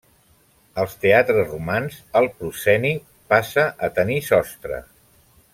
Als teatres romans, el prosceni passa a tenir sostre.